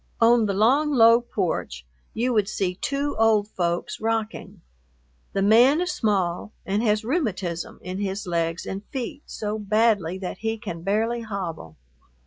On the long, low porch you would see two old folks rocking. The man is small, and has rheumatism in his legs and feet so badly that he can barely hobble.